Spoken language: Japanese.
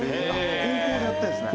高校でやってるんですね。